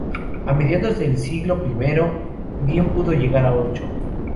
A mediados del siglo I bien pudo llegar a ocho.